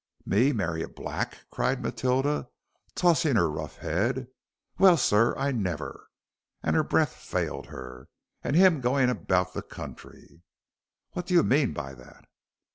"Me marry a black!" cried Matilda, tossing her rough head. "Well, sir, I never," her breath failed her, "an' him goin' about the country." "What do you mean by that?"